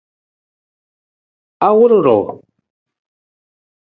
Awur ruu?